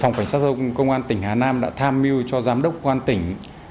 phòng cảnh sát giao thông công an tỉnh hà nam đã tham mưu cho giám đốc công an tỉnh